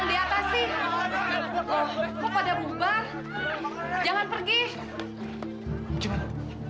sampai jumpa di video selanjutnya